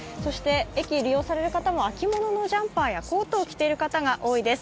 駅を利用される方も秋物のコートを着ている方が多いです。